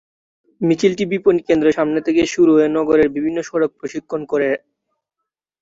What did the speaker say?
মিছিলটি বিপণি কেন্দ্রের সামনে থেকে শুরু হয়ে নগরের বিভিন্ন সড়ক প্রদক্ষিণ করে।